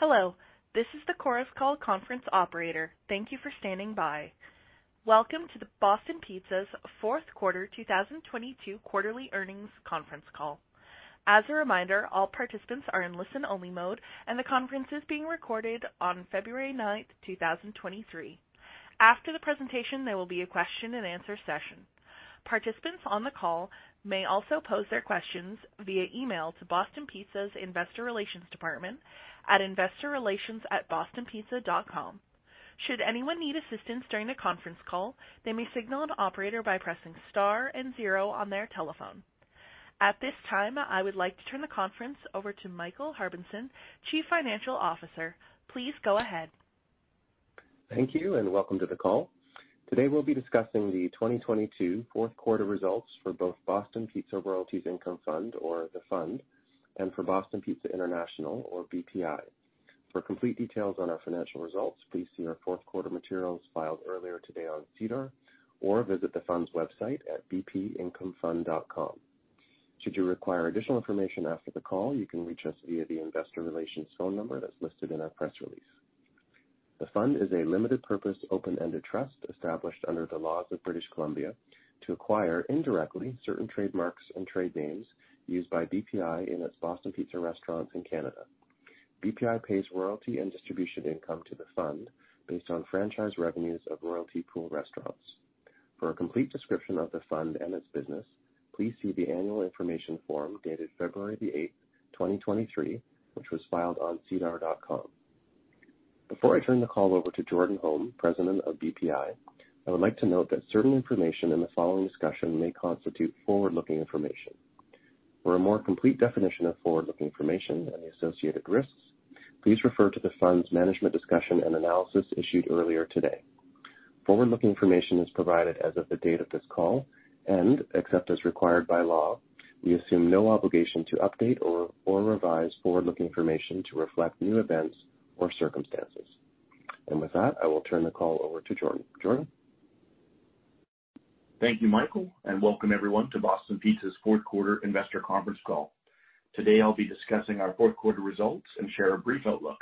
Hello, this is the Chorus Call conference operator. Thank you for standing by. Welcome to the Boston Pizza's Q4 2022 quarterly earnings conference call. As a reminder, all participants are in listen-only mode, and the conference is being recorded on February 9th, 2023. After the presentation, there will be a question-and-answer session. Participants on the call may also pose their questions via email to Boston Pizza's Investor Relations Department at investorrelationsatbostonpizza.com. Should anyone need assistance during the conference call, they may signal an operator by pressing * 0 on their telephone. At this time, I would like to turn the conference over to Michael Harbinson, Chief Financial Officer. Please go ahead. Thank you, and welcome to the call. Today we'll be discussing the 2022 Q4 results for both Boston Pizza Royalties Income Fund, or the Fund, and for Boston Pizza International, or BPI. For complete details on our financial results, please see our Q4 materials filed earlier today on SEDAR or visit the Fund's website at bpincomefund.com. Should you require additional information after the call, you can reach us via the investor relations phone number that's listed in our press release. The Fund is a limited purpose, open-ended trust established under the laws of British Columbia to acquire, indirectly, certain trademarks and trade names used by BPI in its Boston Pizza restaurants in Canada. BPI pays royalty and distribution income to the Fund based on franchise revenues of Royalty Pool restaurants. For a complete description of the Fund and its business, please see the annual information form dated February 8, 2023, which was filed on sedar.com. Before I turn the call over to Jordan Holm, President of BPI, I would like to note that certain information in the following discussion may constitute forward-looking information. For a more complete definition of forward-looking information and the associated risks, please refer to the Fund's management discussion and analysis issued earlier today. Forward-looking information is provided as of the date of this call and except as required by law, we assume no obligation to update or revise forward-looking information to reflect new events or circumstances. With that, I will turn the call over to Jordan. Jordan? Thank you, Michael, and welcome everyone to Boston Pizza's Q4 investor conference call. Today, I'll be discussing our Q4 results and share a brief outlook.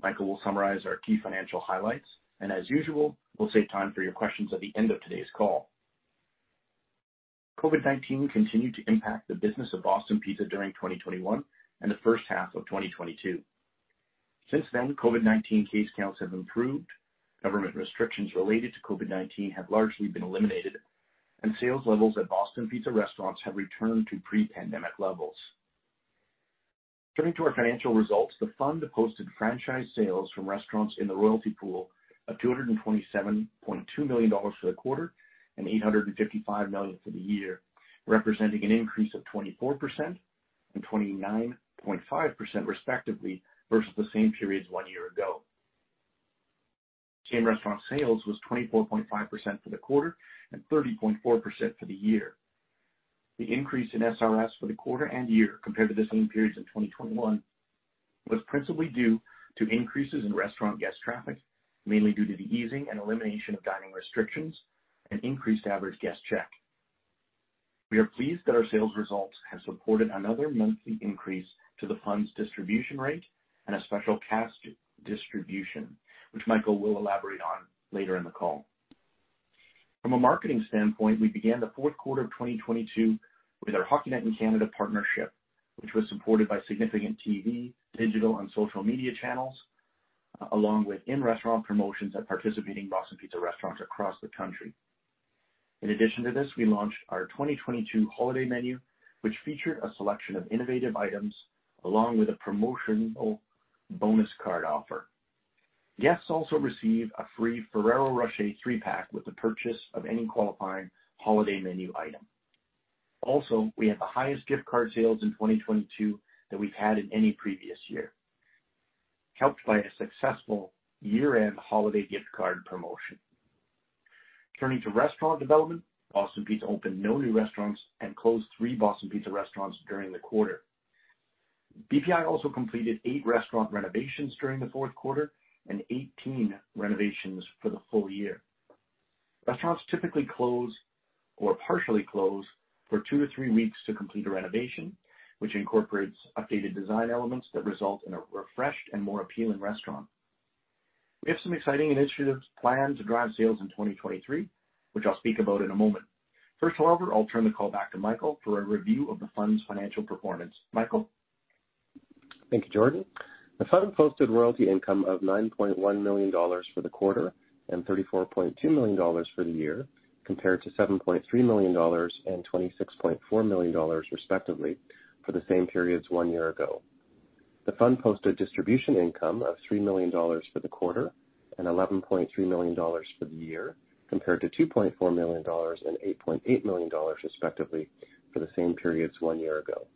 Michael will summarize our key financial highlights, and as usual, we'll save time for your questions at the end of today's call. COVID-19 continued to impact the business of Boston Pizza during 2021 and the H1 of 2022. Since then, COVID-19 case counts have improved, government restrictions related to COVID-19 have largely been eliminated, and sales levels at Boston Pizza restaurants have returned to pre-pandemic levels. Turning to our financial results, the Fund posted Franchise Sales from restaurants in the Royalty Pool of 227.2 million dollars for the quarter and 855 million for the year, representing an increase of 24% and 29.5% respectively versus the same periods 1 year ago. Same Restaurant Sales was 24.5% for the quarter and 30.4% for the year. The increase in SRS for the quarter and year compared to the same periods in 2021 was principally due to increases in restaurant guest traffic, mainly due to the easing and elimination of dining restrictions and increased average guest check. We are pleased that our sales results have supported another monthly increase to the Fund's distribution rate and a special cash distribution, which Michael will elaborate on later in the call. From a marketing standpoint, we began the Q4 of 2022 with our Hockey Night in Canada partnership, which was supported by significant TV, digital, and social media channels, along with in-restaurant promotions at participating Boston Pizza restaurants across the country. In addition to this, we launched our 2022 holiday menu, which featured a selection of innovative items along with a promotional bonus card offer. Guests also receive a free Ferrero Rocher 3-pack with the purchase of any qualifying holiday menu item. Also, we had the highest gift card sales in 2022 than we've had in any previous year, helped by a successful year-end holiday gift card promotion. Turning to restaurant development, Boston Pizza opened no new restaurants and closed 3 Boston Pizza restaurants during the quarter. BPI also completed 8 restaurant renovations during the Q4 and 18 renovations for the full year. Restaurants typically close or partially close for 2 to 3 weeks to complete a renovation, which incorporates updated design elements that result in a refreshed and more appealing restaurant. We have some exciting initiatives planned to drive sales in 2023, which I'll speak about in a moment. 1st however, I'll turn the call back to Michael for a review of the Fund's financial performance. Michael? Thank you, Jordan. The Fund posted royalty income of 9.1 million dollars for the quarter and 34.2 million dollars for the year, compared to 7.3 million dollars and 26.4 million dollars, respectively, for the same periods 1 year ago. The Fund posted distribution income of 3 million dollars for the quarter and 11.3 million dollars for the year, compared to 2.4 million dollars and 8.8 million dollars, respectively, for the same periods 1 year ago.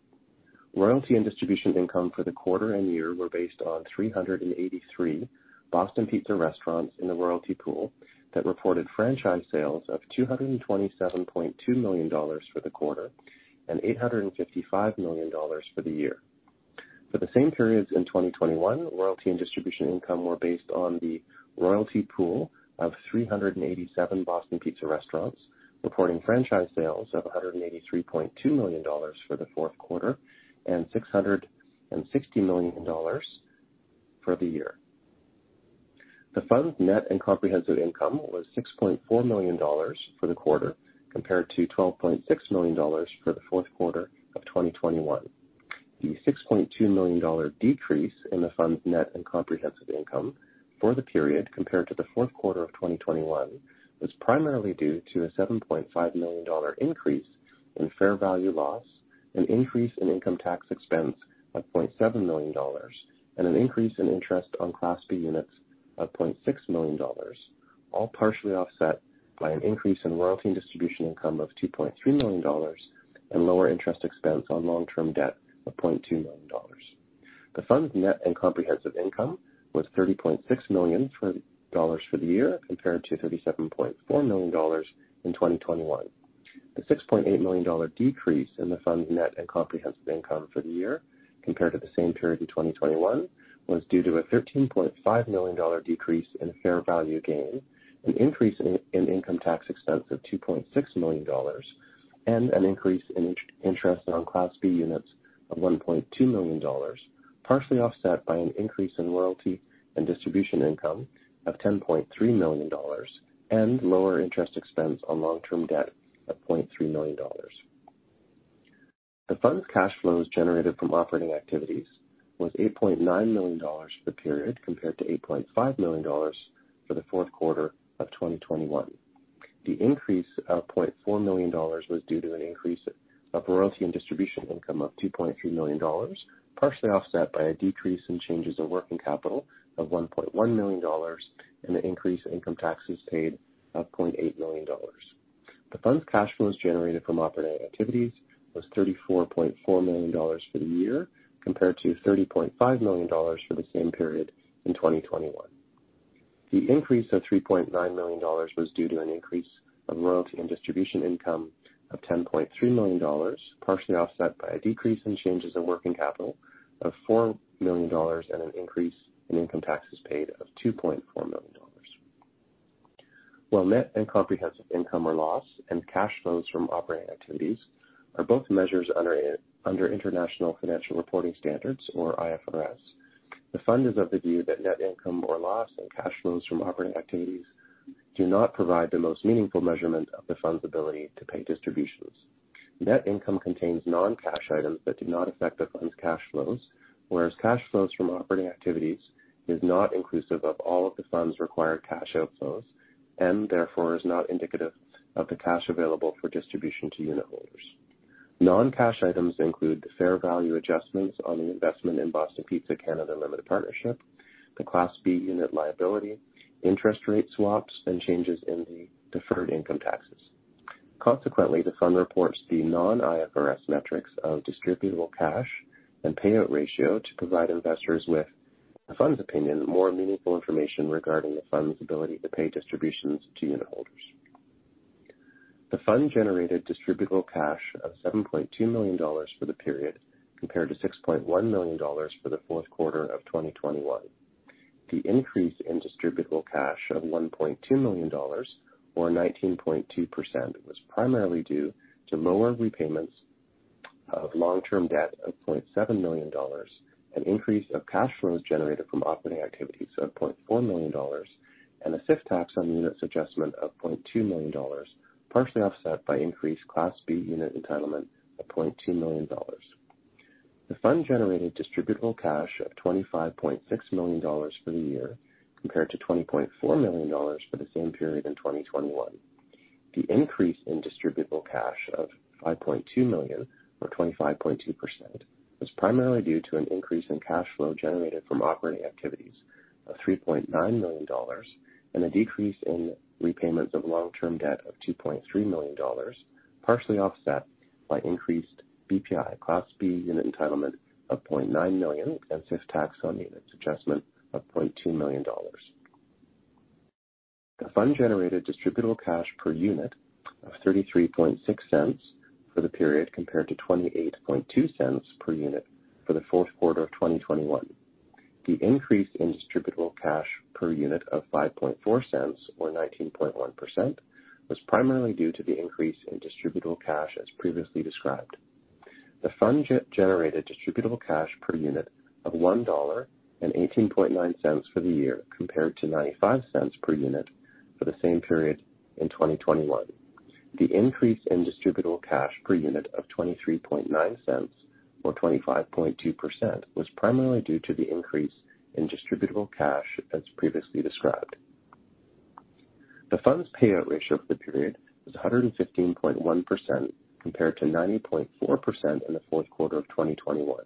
Royalty and distribution income for the quarter and year were based on 383 Boston Pizza restaurants in the Royalty Pool that reported Franchise Sales of 227.2 million dollars for the quarter and 855 million dollars for the year. For the same periods in 2021, royalty and distribution income were based on the Royalty Pool of 387 Boston Pizza restaurants, reporting Franchise Sales of 183.2 million dollars for the Q4 and 660 million dollars for the year. The Fund's net and comprehensive income was 6.4 million dollars for the quarter, compared to 12.6 million dollars for the Q4 of 2021. The 6.2 million dollar decrease in the Fund's net and comprehensive income for the period compared to the Q4 of 2021 was primarily due to a 7.5 million dollar increase in fair value loss, an increase in income tax expense of 0.7 million dollars, and an increase in interest on Class B units of 0.6 million dollars, all partially offset by an increase in royalty and distribution income of 2.3 million dollars and lower interest expense on long-term debt of 0.2 million dollars. The Fund's net and comprehensive income was 30.6 million dollars for the year compared to 37.4 million dollars in 2021. The 6.8 million dollar decrease in the Fund's net and comprehensive income for the year compared to the same period in 2021 was due to a 13.5 million dollar decrease in fair value gain, an increase in income tax expense of 2.6 million dollars, and an increase in interest on Class B units of 1.2 million dollars, partially offset by an increase in royalty and distribution income of 10.3 million dollars and lower interest expense on long-term debt of 0.3 million dollars. The Fund's cash flows generated from operating activities was 8.9 million dollars for the period, compared to 8.5 million dollars for the Q4 of 2021. The increase of 0.4 million dollars was due to an increase of royalty and distribution income of 2.3 million dollars, partially offset by a decrease in changes of working capital of 1.1 million dollars and an increase in income taxes paid of 0.8 million dollars. The Fund's cash flows generated from operating activities was 34.4 million dollars for the year, compared to 30.5 million dollars for the same period in 2021. The increase of 3.9 million dollars was due to an increase of royalty and distribution income of 10.3 million dollars, partially offset by a decrease in changes in working capital of 4 million dollars and an increase in income taxes paid of 2.4 million dollars. While net and comprehensive income or loss and cash flows from operating activities are both measures under International Financial Reporting Standards or IFRS, the Fund is of the view that net income or loss and cash flows from operating activities do not provide the most meaningful measurement of the Fund's ability to pay distributions. Net income contains non-cash items that do not affect the Fund's cash flows, whereas cash flows from operating activities is not inclusive of all of the Fund's required cash outflows and therefore is not indicative of the cash available for distribution to unitholders. Non-cash items include the fair value adjustments on the investment in Boston Pizza Canada Limited Partnership, the Class B unit liability, interest rate swaps, and changes in the deferred income taxes. Consequently, the Fund reports the non-IFRS metrics of Distributable Cash and Payout Ratio to provide investors with the Fund's opinion more meaningful information regarding the Fund's ability to pay distributions to unitholders. The Fund generated Distributable Cash of 7.2 million dollars for the period, compared to 6.1 million dollars for the Q4 of 2021. The increase in Distributable Cash of 1.2 million dollars or 19.2% was primarily due to lower repayments of long-term debt of 0.7 million dollars, an increase of cash flows generated from operating activities of 0.4 million dollars, and a SIFT tax on units adjustment of 0.2 million dollars, partially offset by increased Class B Unit entitlement of 0.2 million dollars. The Fund generated Distributable Cash of 25.6 million dollars for the year, compared to 20.4 million dollars for the same period in 2021. The increase in Distributable Cash of 5.2 million or 25.2% was primarily due to an increase in cash flow generated from operating activities of CAD 3.9 million and a decrease in repayments of long-term debt of 2.3 million dollars, partially offset by increased BPI Class B Unit entitlement of 0.9 million and SIFT tax on units adjustment of 0.2 million dollars. The Fund generated Distributable Cash per unit of 0.336 for the period, compared to 0.282 per unit for the Q4 of 2021. The increase in Distributable Cash per unit of 0.054 or 19.1% was primarily due to the increase in Distributable Cash as previously described. The Fund generated Distributable Cash per unit of 1.189 dollar for the year, compared to 0.95 per unit for the same period in 2021. The increase in Distributable Cash per unit of 0.239 or 25.2% was primarily due to the increase in Distributable Cash as previously described. The Fund's Payout Ratio for the period was 115.1% compared to 90.4% in the Q4 of 2021.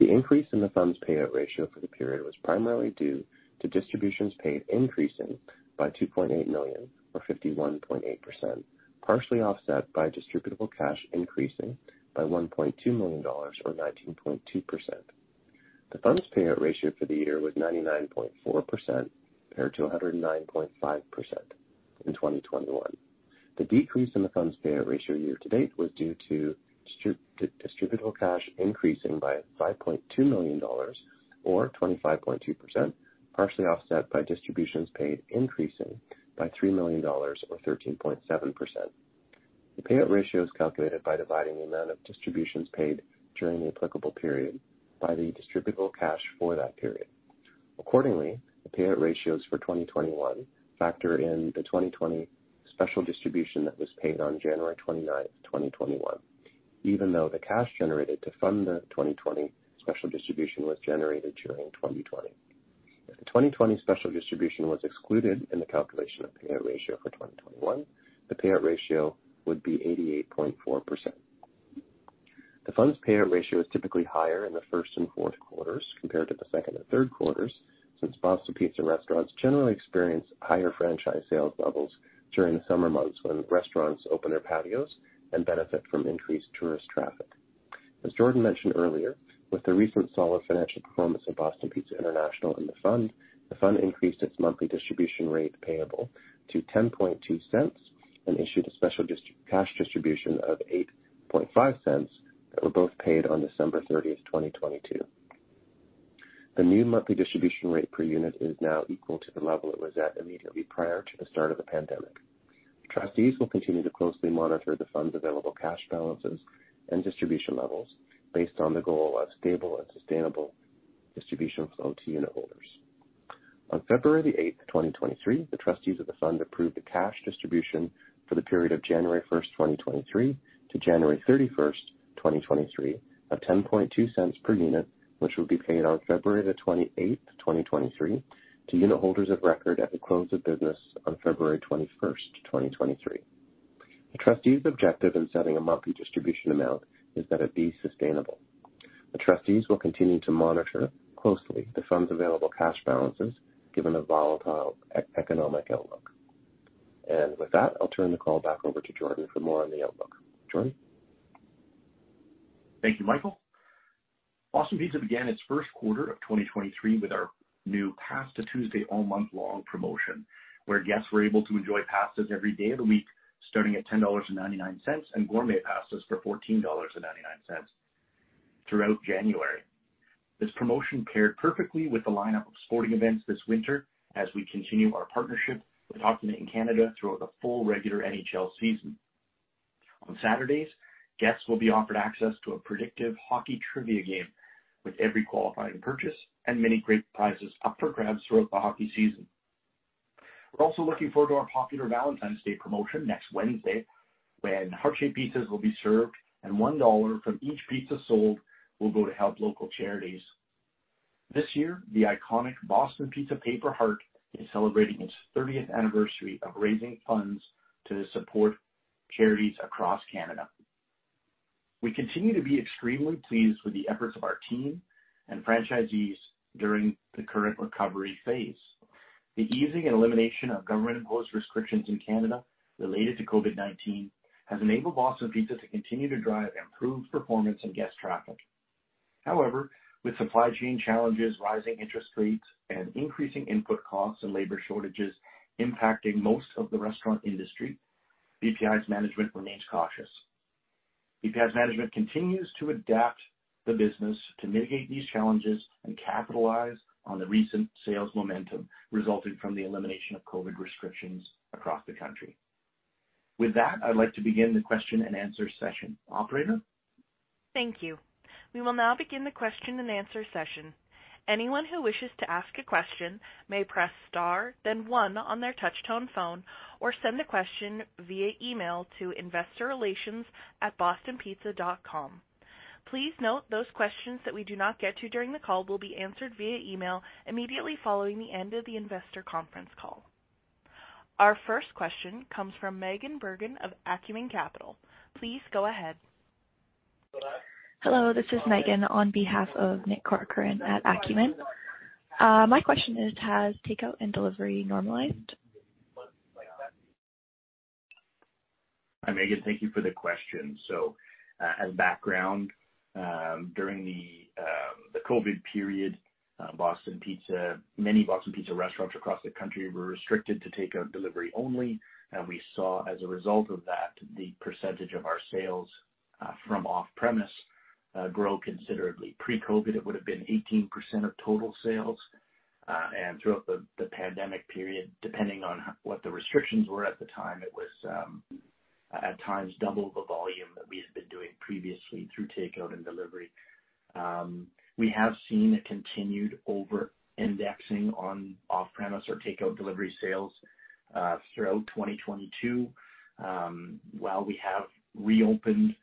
The increase in the Fund's Payout Ratio for the period was primarily due to distributions paid increasing by 2.8 million or 51.8%, partially offset by Distributable Cash increasing by 1.2 million dollars or 19.2%. The Fund's Payout Ratio for the year was 99.4% compared to 109.5% in 2021. The decrease in the Fund's Payout Ratio year-to-date was due to Distributable Cash increasing by 5.2 million dollars or 25.2%, partially offset by distributions paid increasing by 3 million dollars or 13.7%. The Payout Ratio is calculated by dividing the amount of distributions paid during the applicable period by the Distributable Cash for that period. Accordingly, the Payout Ratios for 2021 factor in the 2020 special distribution that was paid on January 29th, 2021, even though the cash generated to fund the 2020 special distribution was generated during 2020. If the 2020 special distribution was excluded in the calculation of Payout Ratio for 2021, the Payout Ratio would be 88.4%. The Fund's Payout Ratio is typically higher in the Q1 and Q4 compared to the Q2 and Q3, since Boston Pizza restaurants generally experience higher Franchise Sales levels during the summer months when restaurants open their patios and benefit from increased tourist traffic. As Jordan mentioned earlier, with the recent solid financial performance of Boston Pizza International in the fund, the fund increased its monthly distribution rate payable to 0.102 and issued a special cash distribution of 0.085 that were both paid on December 30th, 2022. The new monthly distribution rate per unit is now equal to the level it was at immediately prior to the start of the pandemic. Trustees will continue to closely monitor the fund's available cash balances and distribution levels based on the goal of stable and sustainable distribution flow to unitholders. On February the 8th, 2023, the trustees of the fund approved a cash distribution for the period of January 1st, 2023 to January 31st, 2023 of 0.102 per unit, which will be paid on February the 28th, 2023 to unitholders of record at the close of business on February 21st, 2023. The trustees objective in setting a monthly distribution amount is that it be sustainable. The trustees will continue to monitor closely the fund's available cash balances given the volatile economic outlook. With that, I'll turn the call back over to Jordan for more on the outlook. Jordan? Thank you, Michael. Boston Pizza began its Q1 of 2023 with our new Pasta Tuesday all month long promotion, where guests were able to enjoy pastas every day of the week, starting at 10.99 dollars, and gourmet pastas for 14.99 dollars throughout January. This promotion paired perfectly with the lineup of sporting events this winter as we continue our partnership with Hockey Night in Canada throughout the full regular NHL season. On Saturdays, guests will be offered access to a predictive hockey trivia game with every qualifying purchase and many great prizes up for grabs throughout the hockey season. We're also looking forward to our popular Valentine's Day promotion next Wednesday, when heart-shaped pizzas will be served and 1 dollar from each pizza sold will go to help local charities. This year, the iconic Boston Pizza paper heart is celebrating its 30th anniversary of raising funds to support charities across Canada. We continue to be extremely pleased with the efforts of our team and franchisees during the current recovery phase. The easing and elimination of government-imposed restrictions in Canada related to COVID-19 has enabled Boston Pizza to continue to drive improved performance and guest traffic. With supply chain challenges, rising interest rates, and increasing input costs and labor shortages impacting most of the restaurant industry, BPI's management remains cautious. BPI's management continues to adapt the business to mitigate these challenges and capitalize on the recent sales momentum resulting from the elimination of COVID restrictions across the country. With that, I'd like to begin the question and answer session. Operator? Thank you. We will now begin the question and answer session. Anyone who wishes to ask a question may press * then 1 on their touch tone phone or send the question via email to investorrelations@bostonpizza.com. Please note those questions that we do not get to during the call will be answered via email immediately following the end of the investor conference call. Our 1st question comes from Megan Bergen of Acumen Capital. Please go ahead. Hello, this is Megan on behalf of Nick Corcoran at Acumen. My question is, has takeout and delivery normalized? Hi, Megan, thank you for the question. As background, during the COVID period, Boston Pizza, many Boston Pizza restaurants across the country were restricted to takeout and delivery only, and we saw as a result of that, the percentage of our sales from off-premise grow considerably. Pre-COVID, it would have been 18% of total sales. Throughout the pandemic period, depending on what the restrictions were at the time, it was at times double the volume that we had been doing previously through takeout and delivery. We have seen a continued over-indexing on off-premise or takeout delivery sales throughout 2022. While we have reopened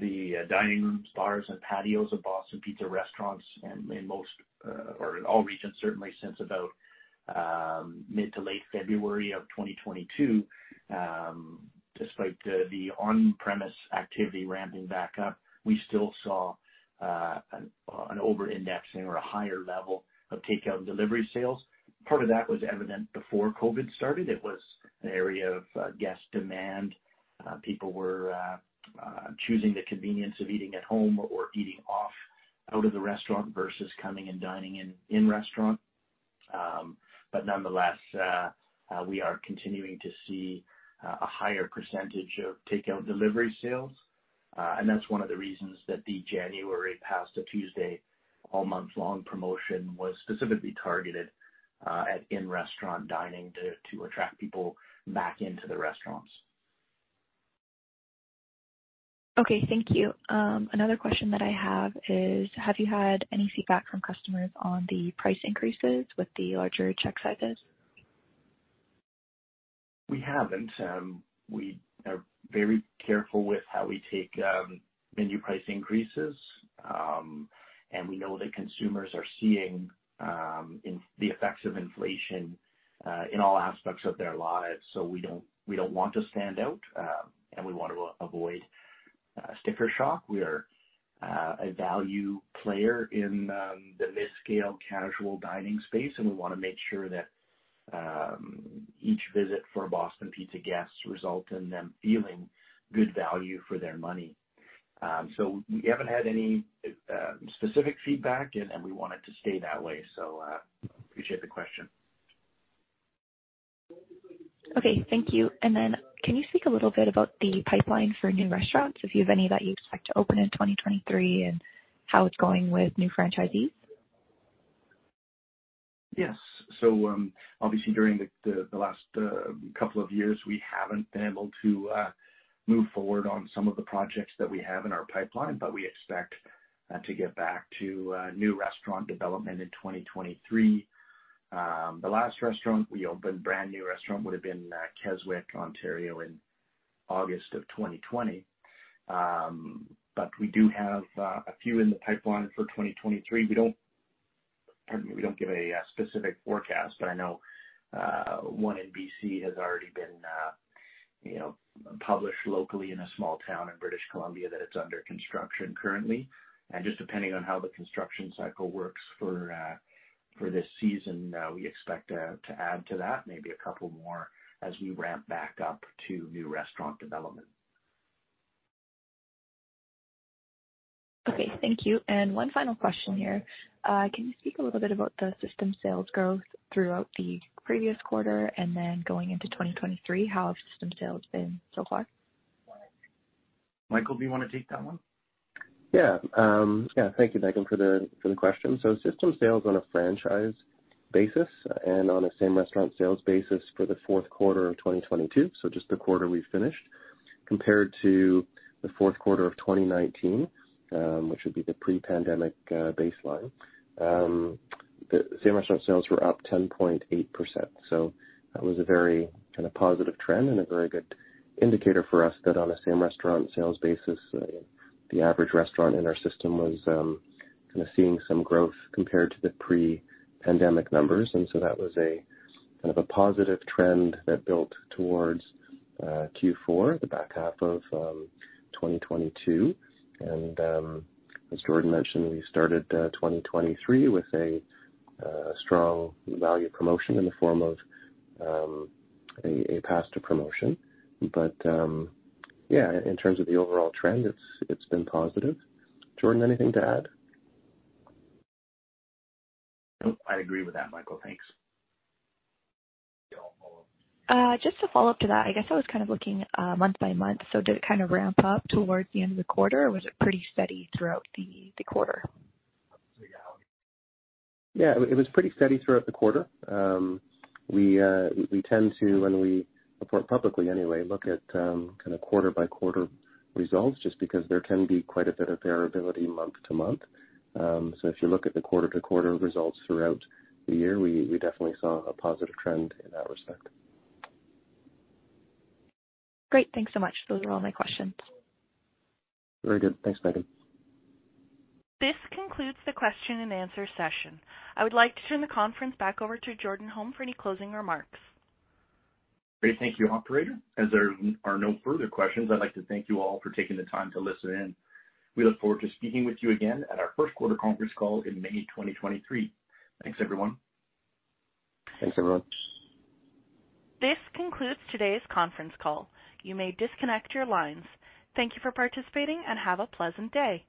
the dining rooms, bars, and patios of Boston Pizza restaurants in most or in all regions, certainly since about mid to late February of 2022, despite the on-premise activity ramping back up, we still saw an over-indexing or a higher level of takeout and delivery sales. Part of that was evident before COVID started. It was an area of guest demand. People were choosing the convenience of eating at home or eating off out of the restaurant versus coming and dining in-restaurant. Nonetheless, we are continuing to see a higher percentage of takeout and delivery sales. That's 1 of the reasons that the January Pasta Tuesday all month long promotion was specifically targeted at in-restaurant dining to attract people back into the restaurants. Okay. Thank you. Another question that I have is, have you had any feedback from customers on the price increases with the larger check sizes? We haven't. We are very careful with how we take menu price increases, and we know that consumers are seeing the effects of inflation in all aspects of their lives. We don't, we don't want to stand out, and we want to avoid sticker shock. We are a value player in the mid-scale casual dining space, and we want to make sure that each visit for a Boston Pizza guest result in them feeling good value for their money. We haven't had any specific feedback and we want it to stay that way. Appreciate the question. Okay. Thank you. Then can you speak a little bit about the pipeline for new restaurants, if you have any that you expect to open in 2023 and how it's going with new franchisees? Yes. Obviously during the last couple of years, we haven't been able to move forward on some of the projects that we have in our pipeline, but we expect to get back to new restaurant development in 2023. The last restaurant we opened, brand new restaurant, would've been Keswick, Ontario in August of 2020. We do have a few in the pipeline for 2023. We don't give a specific forecast, but I know 1 in BC has already been, you know, published locally in a small town in British Columbia that it's under construction currently. Just depending on how the construction cycle works for this season, we expect to add to that maybe a couple more as we ramp back up to new restaurant development. Okay. Thank you. 1 final question here. Can you speak a little bit about the system sales growth throughout the previous quarter and then going into 2023? How have system sales been so far? Michael, do you wanna take that 1? Thank you, Megan, for the, for the question. System sales on a franchise basis and on a Same Restaurant Sales basis for the Q4 of 2022, just the quarter we finished, compared to the Q4 of 2019, which would be the pre-pandemic baseline, the Same Restaurant Sales were up 10.8%. That was a very kinda positive trend and a very good indicator for us that on a Same Restaurant Sales basis, the average restaurant in our system was kinda seeing some growth compared to the pre-pandemic numbers. That was a kinda positive trend that built towards Q4, the back half of 2022. As Jordan mentioned, we started 2023 with a strong value promotion in the form of a Pasta Tuesday promotion. Yeah, in terms of the overall trend, it's been positive. Jordan, anything to add? Nope. I agree with that, Michael. Thanks. Just to follow up to that, I guess I was kind of looking, month by month, did it kind of ramp up towards the end of the quarter, or was it pretty steady throughout the quarter? It was pretty steady throughout the quarter. We tend to, when we report publicly anyway, look at, kind of quarter-by-quarter results just because there can be quite a bit of variability month to month. If you look at the quarter-to-quarter results throughout the year, we definitely saw a positive trend in that respect. Great. Thanks so much. Those are all my questions. Very good. Thanks, Megan. This concludes the question and answer session. I would like to turn the conference back over to Jordan Holm for any closing remarks. Great. Thank you, operator. As there are no further questions, I'd like to thank you all for taking the time to listen in. We look forward to speaking with you again at our Q1 conference call in May 2023. Thanks, everyone. Thanks, everyone. This concludes today's conference call. You may disconnect your lines. Thank you for participating and have a pleasant day.